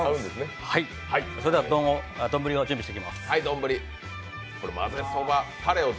それでは、丼を準備していきます。